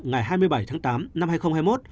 ngày hai mươi bảy tháng tám năm hai nghìn hai mươi một